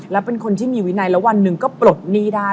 แล้วเป็นคนที่มีวินัยแล้ววันหนึ่งก็ปลดหนี้ได้